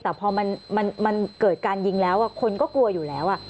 แต่พอมันเกิดการยิงแล้วคนก็กลัวอยู่แล้ว